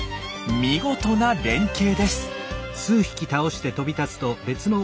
見事な連係です。